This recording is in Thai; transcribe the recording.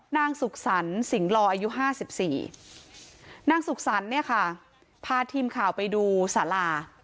นางศุกษัณฐ์สิงหลออายุ๕๔นางศุกษัณฐ์เนี่ยค่ะพาทีมข่าวไปดูสลา